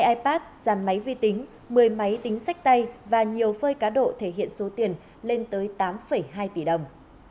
ipad máy vi tính một mươi máy tính sách tay và nhiều phơi cá độ thể hiện số tiền lên tới tám hai tỷ đồng